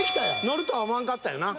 ［のるとは思わんかったんよな］